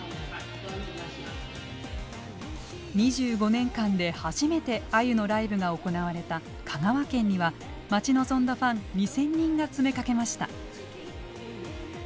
２５年間で初めてあゆのライブが行われた香川県には待ち望んだファン２，０００人が詰めかけました。